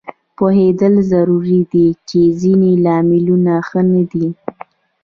پوهېدل ضروري دي چې ځینې لاملونه ښه نه دي